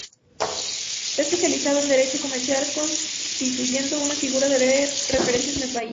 Se ha especializado en Derecho Comercial, constituyendo una figura de referencia en el país.